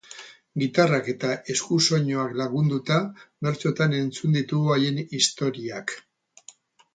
Gitarrak eta eskusoinuak lagunduta, bertsotan entzun ditugu haien historiak.